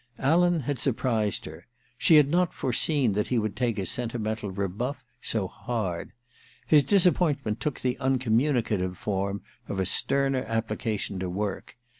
Alan had surprised her : she had not foreseen that he would take a senti mental rebuff so hard. His disappointment took the uncommunicative form of a sterner application to work.